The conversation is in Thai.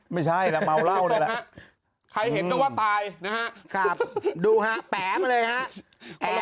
ไม่ใช่ล่ะเมาเหล้านี่แหละใครเห็นก็ว่าตายนะฮะครับดูฮะแป๋มาเลยฮะ